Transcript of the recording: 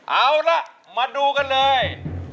เอาล่ะมาดูกันเลย